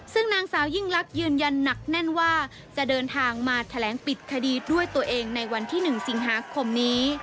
ซึ่งนางสาวยิ่งลักษณ์ยืนยันหนักแน่นว่าจะเดินทางมาแถลงปิดคดีด้วยตัวเองในวันที่๑สิงหาคมนี้